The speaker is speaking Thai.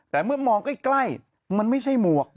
แต่เมื่อมองใกล้มันไม่ใช่หมวก